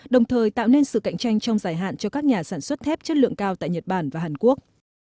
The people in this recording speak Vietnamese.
đồng thời tạo nên sự cạnh tranh trong dài hạn cho các nhà sản xuất thép chất lượng cao tại nhật bản và hàn quốc